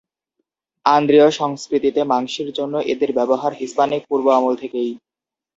আন্দ্রিয় সংস্কৃতিতে মাংসের জন্য এদের ব্যবহার হিস্পানিক-পূর্ব আমল থেকেই।